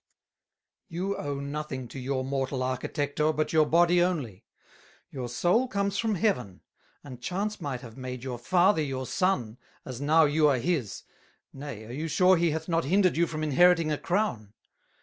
"You owe nothing to your mortal Architector, but your Body only; your Soul comes from Heaven, and Chance might have made your Father your Son, as now you are his. Nay, are you sure he hath not hindered you from Inheriting a Crown?